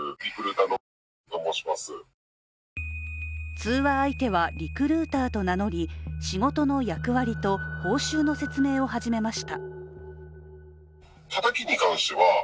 通話相手は、リクルーターと名乗り仕事の役割と報酬の説明を始めました。